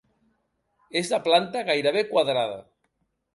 És de planta gairebé quadrada.